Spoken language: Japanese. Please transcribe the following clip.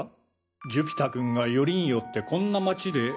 寿飛太君がよりによってこんな町で。